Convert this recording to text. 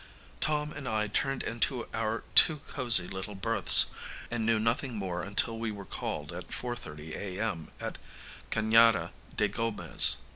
Tom and I turned into our two cozy little berths, and knew nothing more until we were called at 4.30 a.m. at Ca├▒ada de Gomez.